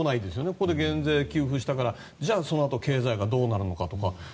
ここで減税や給付したからそのあと経済がどうなるのかと。